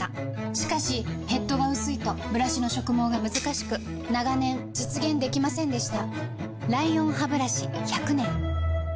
しかしヘッドが薄いとブラシの植毛がむずかしく長年実現できませんでした